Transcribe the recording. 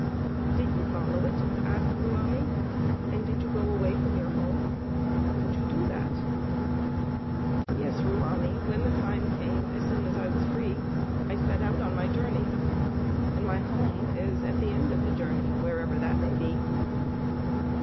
"Did you follow it," asked Ruamie, "and did you go away from your home? How could you do that?" "Yes, Ruamie, when the time came, as soon as I was free, I set out on my journey, and my home is at the end of the journey, wherever that may be."